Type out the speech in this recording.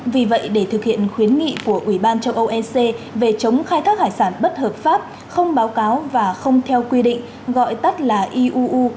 vì vậy để thực hiện khuyến nghị của ủy ban châu âu ec về chống khai thác hải sản bất hợp pháp không báo cáo và không theo quy định gọi tắt là iuu